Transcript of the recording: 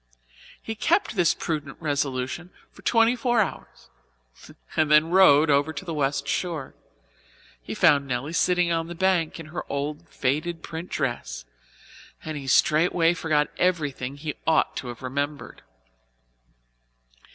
He kept this prudent resolution for twenty four hours and then rowed over to the West shore. He found Nelly sitting on the bank in her old faded print dress and he straightway forgot everything he ought to have remembered.